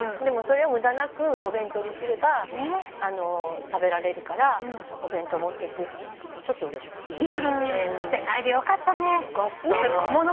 でもそれを無駄なくお弁当にすれば食べられるからお弁当持ってくって言ったときはちょっとうれしかった。